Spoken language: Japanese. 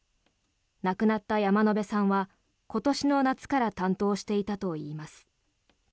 亡くなった山野辺さんは今年の夏から担当していたといいます。